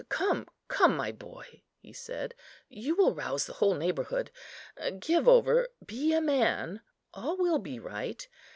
"Come, come, my boy," he said, "you will rouse the whole neighbourhood. Give over; be a man; all will be right.